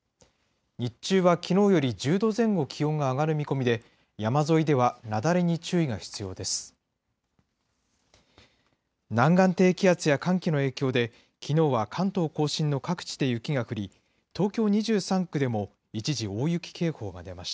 日中はきのうより１０度前後気温が上がる見込みで、山沿いでは雪崩に注意が必要です。